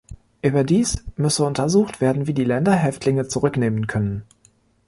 Überdies müsse untersucht werden, wie die Länder Häftlinge zurücknehmen können.